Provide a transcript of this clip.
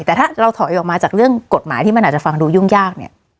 แต่ถ้าเราถอยออกมาจากเรื่องกฎหมายที่มันอาจจะฟังดูยุ่งยากเนี่ย